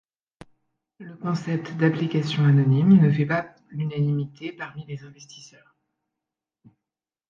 Le concept d'application anonyme ne fait pas l'unanimité parmi les investisseurs.